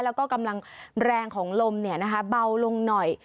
แล้วก็กำลังแรงของลมเบาลงหน่อย